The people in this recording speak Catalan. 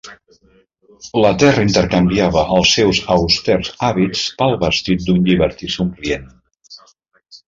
La terra intercanviava els seus austers hàbits pel vestit d'un llibertí somrient.